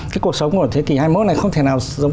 cái cuộc sống của thế kỷ hai mươi một này không thể nào giống